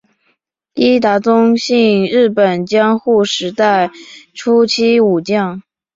伊达宗信日本江户时代初期武将。